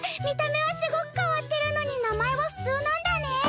見た目はすごく変わってるのに名前はふつうなんだね。